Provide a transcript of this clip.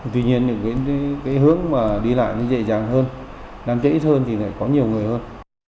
tuy nhiên những hướng đi lại dễ dàng hơn đám cháy ít hơn thì có nhiều người hơn